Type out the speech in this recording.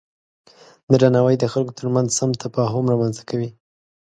درناوی د خلکو ترمنځ سم تفاهم رامنځته کوي.